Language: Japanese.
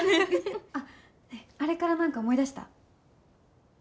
あっあれからなんか思い出した？